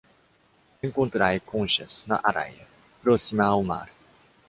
Encontrei conchas na areia próxima ao mar